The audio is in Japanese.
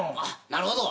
なるほど。